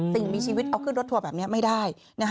สิ่งมีชีวิตเอาขึ้นรถทัวร์แบบนี้ไม่ได้